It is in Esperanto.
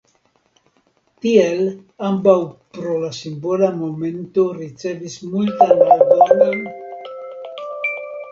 Tiel ambaŭ pro la simbola momento ricevis multan aldonan publikan atenton.